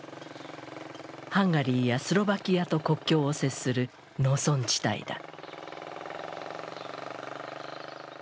ハンガリーやスロバキアと国境を接する農村地帯だ。